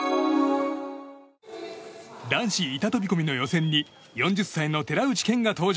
男子板飛び込みの予選に４０歳の寺内健が登場。